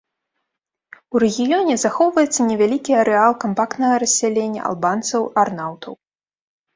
У рэгіёне захоўваецца невялікі арэал кампактнага рассялення албанцаў-арнаўтаў.